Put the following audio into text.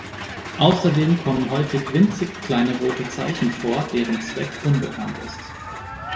Außerdem kommen häufig winzig kleine rote Zeichen vor, deren Zweck unbekannt ist.